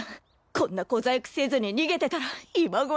こんな小細工せずに逃げてたら今頃。